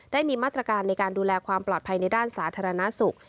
ได้มีมาตรการในการดูแลความปลอดภัยในด้านสาธารณสุข